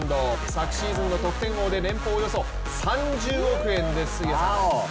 昨シーズンの得点王で年俸およそ３０億円ですよ、杉谷さん。